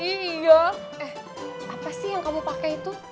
iya eh apa sih yang kamu pakai itu